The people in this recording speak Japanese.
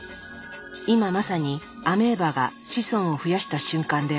今まさにアメーバが子孫を増やした瞬間である。